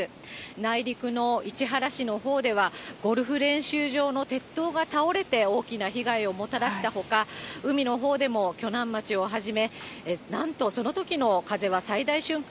内陸の市原市のほうでは、ゴルフ練習場の鉄塔が倒れて大きな被害をもたらしたほか、海のほうでも鋸南町をはじめ、なんとそのときの風は最大瞬間